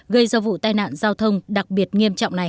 gây ra vụ tai nạn giao thông đặc biệt nghiêm trọng này